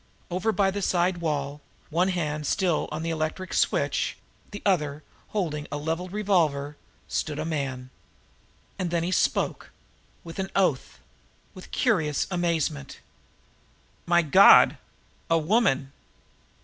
Over by the side wall, one hand still on the electric light switch, the other holding a leveled revolver, stood a man. And then the man spoke with an oath with curious amazement: "My God a woman!"